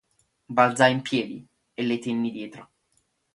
Balzai in piedi, e le tenni dietro.